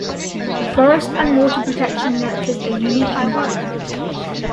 The forest and water protection nurtures a unique environment.